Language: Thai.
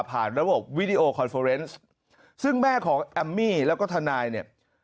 ระบบวิดีโอคอนเฟอร์เนสซึ่งแม่ของแอมมี่แล้วก็ทนายเนี่ย